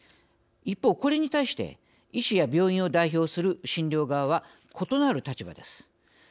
一方これに対して医師や病院を代表する診療側は異なる立場です。